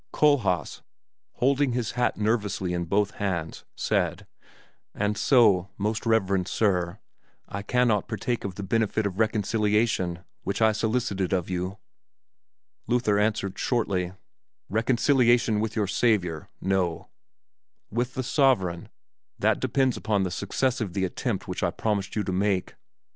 Kohlhaas, holding his hat nervously in both hands, said, "And so, most reverend Sir, I cannot partake of the benefit of reconciliation, which I solicited of you?" Luther answered shortly, "Reconciliation with your Savior no! With the sovereign that depends upon the success of the attempt which I promised you to make."